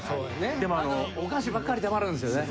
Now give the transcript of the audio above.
でもお菓子ばっかりたまるんすよね。